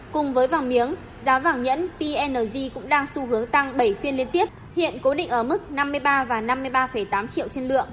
cùng với vàng miếng giá vàng nhẫn png cũng đang xu hướng tăng bảy phiên liên tiếp hiện cố định ở mức năm mươi ba và năm mươi ba tám triệu trên lượng